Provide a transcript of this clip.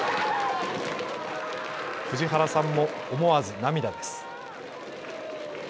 藤原さんも思わず涙です。